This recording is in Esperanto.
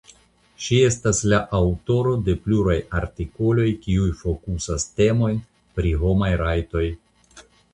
Ŝi estas la aŭtoro de pluraj artikoloj kiuj fokusas temojn pri homaj rajtoj.